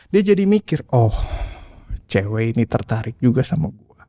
dia jadi mikir oh cewek ini tertarik juga sama gue